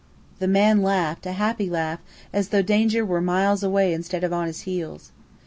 The man laughed, a happy laugh, as though danger were miles away instead of on his heels.